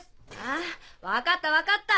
あ分かった分かった！